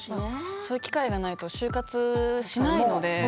そういう機会がないと就活しないので。